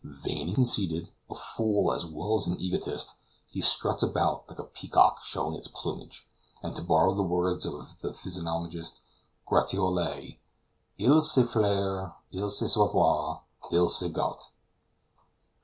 Vain and conceited, a fool as well as an egotist, he struts about like a peacock showing its plumage, and to borrow the words of the physiognomist Gratiolet, "il se flaire, il se savoure, il se goute."